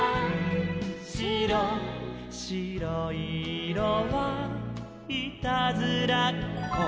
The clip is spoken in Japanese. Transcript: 「しろいいろはいたずらっこ」